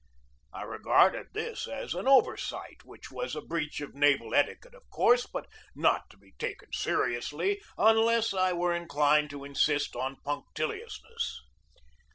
I regarded this as an oversight which was a breach of naval etiquette, of course, but not to be taken seriously unless I were inclined to insist on punctiliousness.